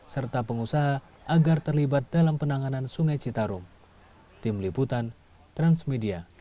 serta pengusaha agar terlibat dalam penanganan sungai citarum